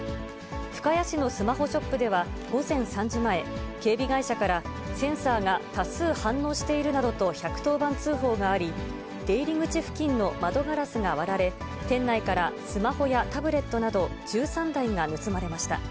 深谷市のスマホショップでは、午前３時前、警備会社から、センサーが多数反応しているなどと１１０番通報があり、出入り口付近の窓ガラスが割られ、店内からスマホやタブレットなど１３台が盗まれました。